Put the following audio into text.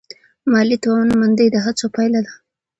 مالي توانمندي د هڅو پایله ده.